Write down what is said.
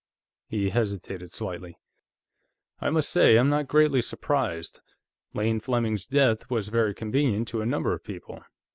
He hesitated slightly. "I must say, I'm not greatly surprised. Lane Fleming's death was very convenient to a number of people.